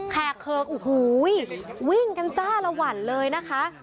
แขกเคิกโอ้โหวิ่งกันจ้าละวันเลยนะคะ